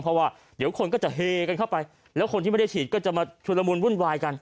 เพราะว่าเดี๋ยวคนก็จะเฮกันเข้าไปแล้วคนที่ไม่ได้ฉีดก็จะมาชุดละมุนวุ่นวายกัน